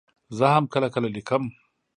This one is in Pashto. زه هم کله کله لیکم.